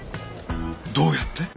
どうやって？